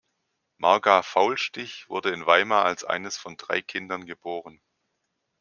Marga Faulstich wurde in Weimar als eines von drei Kindern geboren.